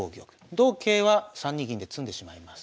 同桂は３二銀で詰んでしまいます。